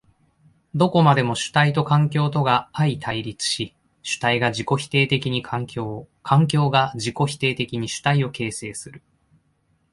どこまでも主体と環境とが相対立し、主体が自己否定的に環境を、環境が自己否定的に主体を形成する。